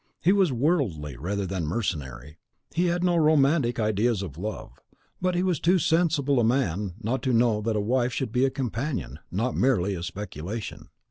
he was worldly rather than mercenary. He had no romantic ideas of love; but he was too sensible a man not to know that a wife should be a companion, not merely a speculation.